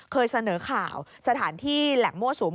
เคยเสนอข่าวสถานที่แหล่งมั่วสุม